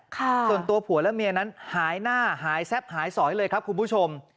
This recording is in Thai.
ส่วนตัวผัวและเมียนั้นหายหน้าหายแซ่บหายสอยเลยครับคุณผู้ชม